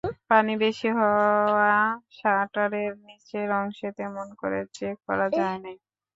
পানি বেশি হওয়া শাটারের নিচের অংশে তেমন করে চেক করা যায় নাই।